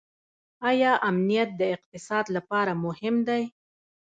آیا امنیت د اقتصاد لپاره مهم دی؟